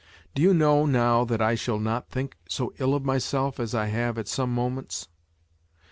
Do you know now that I shall not think so ill of myself, as I have at some moments